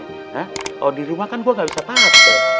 kalau di rumah kan gue gak bisa tahan deh